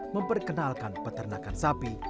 memperkenalkan peternakan sapi